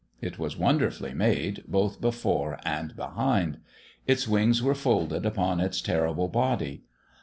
It was wonderfully made, both before and behind. Its wings were folded upon its terrible body.